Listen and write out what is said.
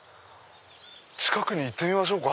近くに行ってみましょうか。